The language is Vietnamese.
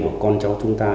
và con cháu chúng ta